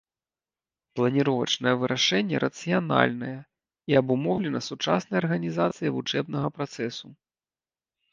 Планіровачнае вырашэнне рацыянальнае і абумоўлена сучаснай арганізацыяй вучэбнага працэсу.